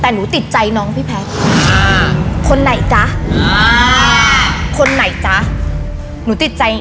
หนูติดใจยังอีนา